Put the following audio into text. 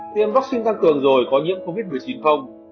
tiêm vaccine tăng cường rồi có nhiễm covid một mươi chín không